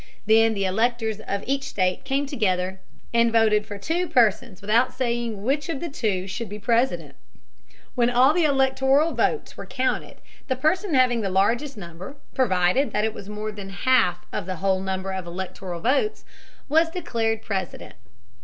Then the electors of each state came together and voted for two persons without saying which of the two should be President. When all the electoral votes were counted, the person having the largest number, provided that was more than half of the whole number of electoral votes, was declared President.